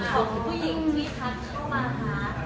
ก็คือผู้หญิงวิทัศน์เข้ามาค่ะ